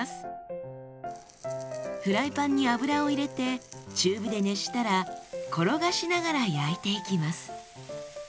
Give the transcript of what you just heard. フライパンに油を入れて中火で熱したら転がしながら焼いていきます。